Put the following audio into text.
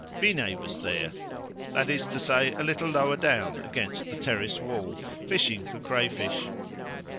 Binet was there; that is to say, a little lower down against the terrace wall, fishing for crayfish.